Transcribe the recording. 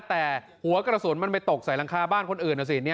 แต่หัวกระสุนมันไปตกใส่หลังคาบ้านคนอื่นนะสิ